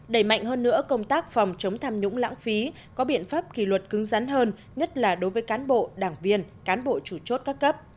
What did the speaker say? đẩy mạnh hơn nữa công tác phòng chống tham nhũng lãng phí có biện pháp kỳ luật cứng rắn hơn nhất là đối với cán bộ đảng viên cán bộ chủ chốt các cấp